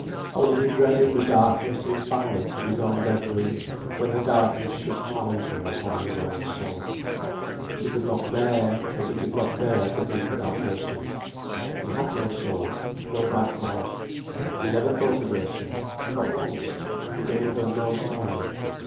Only he dreaded the darkness and silence of his own bedroom, when the darkness should challenge him upon his own soul. That he could not bear, as he could not bear to think about Ursula. He had no soul, no background. He never thought of Ursula, not once, he gave her no sign.